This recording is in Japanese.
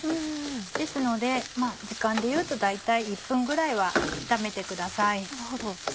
ですので時間でいうと大体１分ぐらいは炒めてください。